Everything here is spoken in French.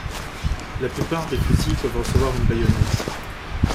La plupart des fusils peuvent recevoir une baïonnette.